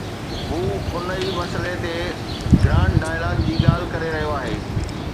هو ان ئي مسئلي تي گرانڊ ڊائلاگ جي ڳالهه ڪري رهيو آهي.